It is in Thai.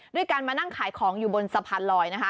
ด้วยการมานั่งขายของอยู่บนสะพานลอยนะคะ